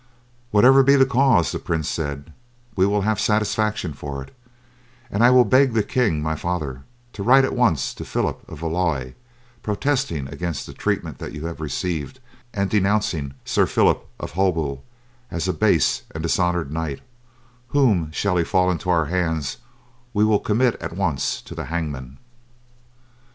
"Whatever be the cause," the prince said, "we will have satisfaction for it, and I will beg the king, my father, to write at once to Phillip of Valois protesting against the treatment that you have received, and denouncing Sir Phillip of Holbeaut as a base and dishonoured knight, whom, should he fall into our hands, we will commit at once to the hangman."